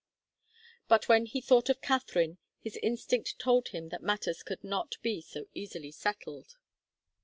But when he thought of Katharine, his instinct told him that matters could not be so easily settled.